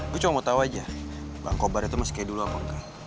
gua cuma mau tau aja bangkobar itu masih kayak dulu apa enggak